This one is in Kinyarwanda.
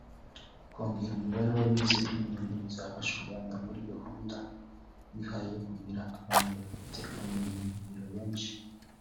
Kongera umubare w’abize imyuga bizafasha u Rwanda muri gahunda rwihaye yo kugira abantu bafite ubumenyi ngiro benshi